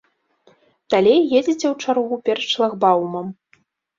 Далей едзеце ў чаргу перад шлагбаумам.